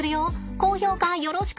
高評価よろしく！